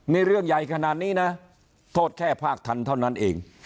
นี่เรื่องใหญ่ขนาดนี้นะโทษแค่ภาคทันเท่านั้นเอง